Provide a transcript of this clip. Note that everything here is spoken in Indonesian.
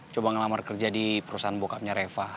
coba ngelamar kerja di perusahaan bokapnya reva